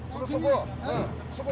そこ。